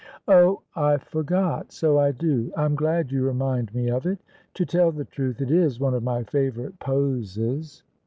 " Oh I I forgot: so I do. I'm glad you remind me of it. To tell the truth it is one of my favourite poses."